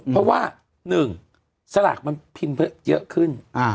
เพราะว่า๑สลากมันพิมพ์เยอะขึ้น